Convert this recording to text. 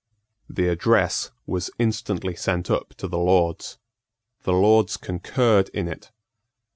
The address was instantly sent up to the Lords. The Lords concurred in it.